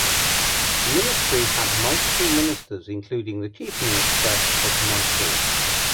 The ministry had multiple ministers including the Chief Minister of Mysore.